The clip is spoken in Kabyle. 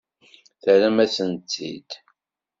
Terram-asent-tt-id?